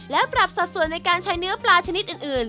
และปรับสัดส่วนในการใช้เนื้อปลาชนิดอื่น